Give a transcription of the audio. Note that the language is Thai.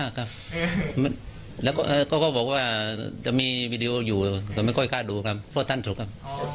สกใจมากครับ